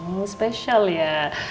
oh spesial ya